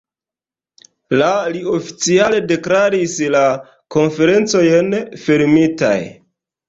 La li oficiale deklaris la Konferencojn fermitaj.